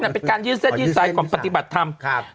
เป็นการยืดเส้นยืดซ้ายก่อนปฏิบัติธรรม